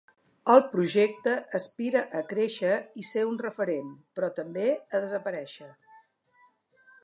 El projecte aspira a créixer i ser un referent, però també a desaparèixer.